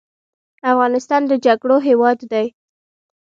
افغانستان د جګړو هیواد دی